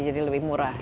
jadi lebih murah